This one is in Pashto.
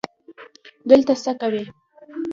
دلته څه کوې؟